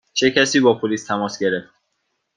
چه کسی با پلیس تماس گرفت؟